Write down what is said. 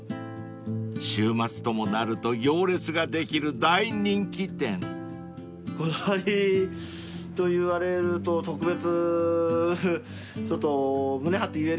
［週末ともなると行列ができる大人気店］と言われると特別ちょっと。